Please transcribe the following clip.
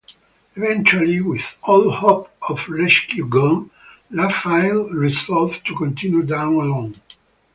Eventually, with all hope of rescue gone, Lafaille resolved to continue down alone.